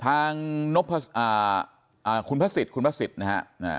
ทางคุณพสิทธิ์คุณพสิทธิ์นะฮะ